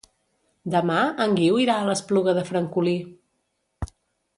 Demà en Guiu irà a l'Espluga de Francolí.